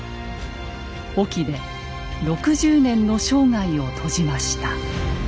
隠岐で６０年の生涯を閉じました。